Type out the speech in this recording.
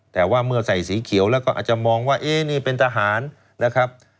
แต่ว่าเมื่อใส่สีเขียวแล้วก็อาจจะมองว่าเอ๊นี่เป็นทหารนะครับ